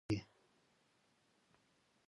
د افغانستان سیندونه مست دي